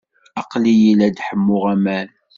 Aqli-iyi la d-ḥemmuɣ aman.